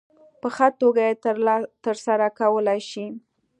په ښه توګه یې ترسره کولای شي.